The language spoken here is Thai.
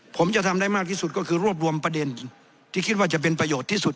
ผมจะทำได้มากที่สุดก็คือรวบรวมประเด็นที่คิดว่าจะเป็นประโยชน์ที่สุด